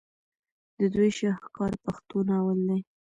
د دوي شاهکار پښتو ناول دے